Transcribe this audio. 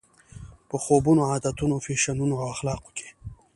په خویونو، عادتونو، فیشنونو او اخلاقو کې.